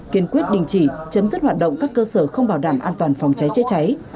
kiên quyết đình chỉ chấm dứt hoạt động các cơ sở không bảo đảm an toàn phòng cháy chữa cháy